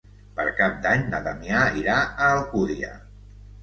Per Cap d'Any na Damià irà a Alcúdia.